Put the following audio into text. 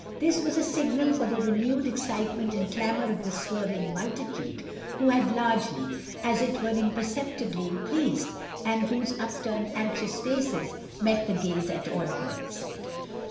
This was a signal for the renewed excitement and clamour of the swerving multitude, who had largely, and as it were imperceptibly increased, and whose upturned anxious faces met the gaze at all points.